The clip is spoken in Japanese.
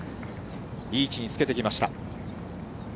いい位置につけてきました。